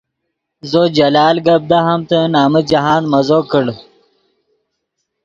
زو جلال گپ دہامتے نمن جاہند مزو کڑ